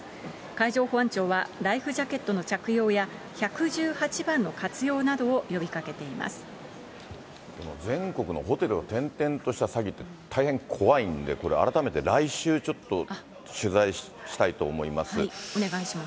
海上保安庁はライフジャケットの着用や、１１８番の活用などを呼全国のホテルを転々とした詐欺って、大変怖いんで、これ、改めて来週ちょっと取材したいと思お願いします。